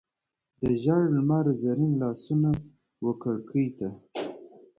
د ژړ لمر زرین لاسونه وکړکۍ ته،